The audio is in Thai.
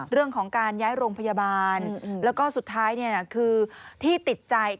เรื่องของการย้ายโรงพยาบาลแล้วก็สุดท้ายคือที่ติดใจ